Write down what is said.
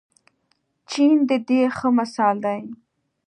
چین د دې ښه مثال دی.